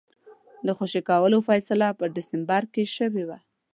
د خوشي کولو فیصله په ډسمبر کې شوې وه.